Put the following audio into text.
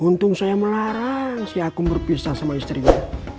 untung saya melarang si aku berpisah sama istrinya